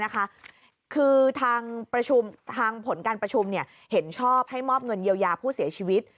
คือทางผลการประชุมเห็นชอบให้มอบเงินเยียวยาผู้เสียชีวิต